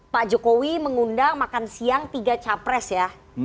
pak jokowi mengundang makan siang tiga capres ya